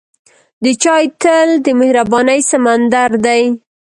د چای تل د مهربانۍ سمندر دی.